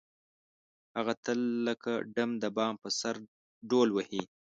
هغه تل لکه ډم د بام په سر ډول وهي.